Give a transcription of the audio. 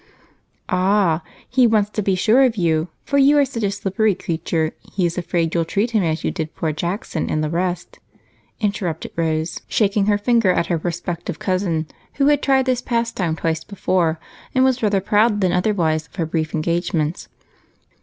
"Ah, he wants to be sure of you, for you are such a slippery creature he is afraid you'll treat him as you did poor Jackson and the rest," interrupted Rose, shaking her finger at her prospective cousin, who had tried this pastime twice before and was rather proud than otherwise of her brief engagements.